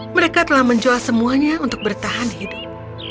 mereka telah menjual semuanya untuk bertahan hidup